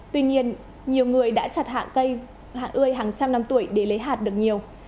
tuy nhiên nhiều người đã chặt hạng cây hạng ươi hàng trăm năm tuổi để lấy hạt được nhiều